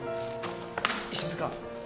石塚。